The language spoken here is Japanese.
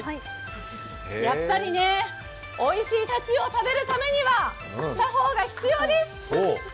やっぱりね、おいしいタチウオを食べるためには作法が必要です。